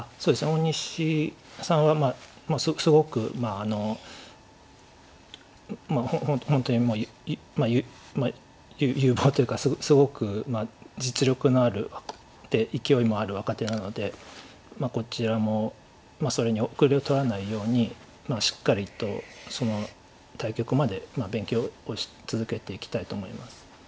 大西さんはすごく本当にもう有望というかすごく実力のあるで勢いもある若手なのでこちらもそれに後れを取らないようにしっかりと対局まで勉強を続けていきたいと思います。